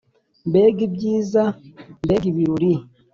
mbega ibyiza, mbega ibirori